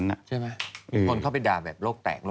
เมื่อคนเข้าไปด่าแบบโรคแตกโรคแปด